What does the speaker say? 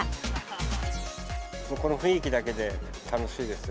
この雰囲気だけで楽しいです。